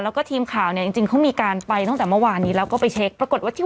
แล้วปรากฏว่ายังไงครับพี่หนุ่มไม่เจอนี่